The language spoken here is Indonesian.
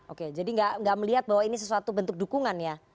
oke jadi nggak melihat bahwa ini sesuatu bentuk dukungan ya